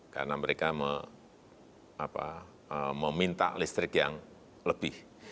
karena mereka meminta listrik yang lebih